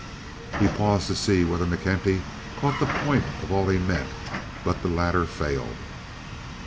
He paused to see whether McKenty caught the point of all he meant, but the latter failed.